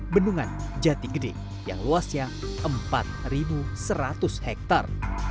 bendungan jatigede yang luasnya empat seratus hektar